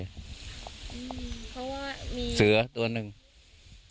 ผลักษออนแห่งหนึ่งหนละเราบอกว่าชีวิตคือนี้จราวก็จะมีหนึ่งจราว